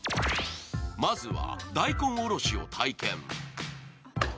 まずは大根おろしを体験。